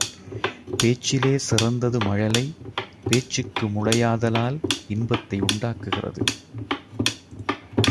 பேச்சிலே சிறந்தது மழலை, பேச்சுக்கு முளையாதலால் இன்பத்தை உண்டாக்குகிறது.